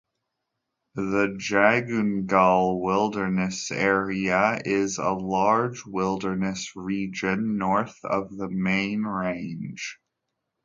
The Jagungal Wilderness Area is a large wilderness region north of the Main Range.